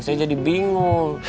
saya jadi bingung